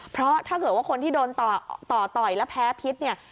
เพราะถ้าเกิดว่าคนที่โดนต่อต่อยแล้วแพ้พิษเนี่ย